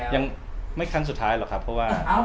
ยังไม่ครั้งสุดท้ายหรอกครับเพราะว่า